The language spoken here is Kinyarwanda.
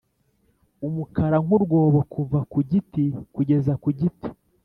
umukara nk'urwobo kuva ku giti kugeza ku giti,